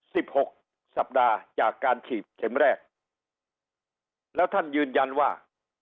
หกสัปดาห์จากการฉีดเข็มแรกแล้วท่านยืนยันว่า